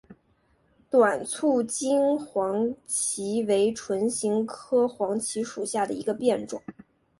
短促京黄芩为唇形科黄芩属下的一个变种。